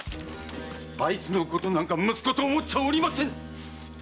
あいつのことなんか息子と思っちゃおりません！